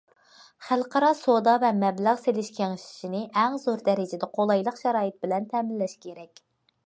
خەلقئارا سودا ۋە مەبلەغ سېلىش كېڭىشىشىنى ئەڭ زور دەرىجىدە قولايلىق شارائىت بىلەن تەمىنلەش كېرەك.